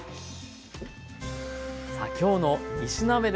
さあきょうの３品目です。